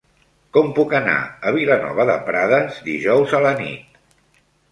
Com puc anar a Vilanova de Prades dijous a la nit?